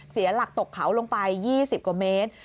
เสียหลักตกเขาลงไป๒๐กว่าเมตร